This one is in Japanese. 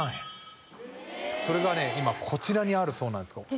それがね今こちらにあるそうなんです。